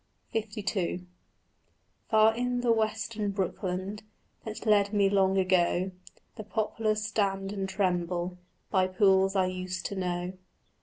LII Far in a western brookland That bred me long ago The poplars stand and tremble By pools I used to know.